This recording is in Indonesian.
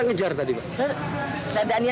yang saya tahu kepalanya